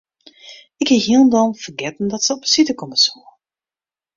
Ik hie hielendal fergetten dat se op besite komme soe.